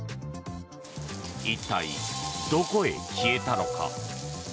一体、どこへ消えたのか。